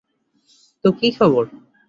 তো, কী খবর?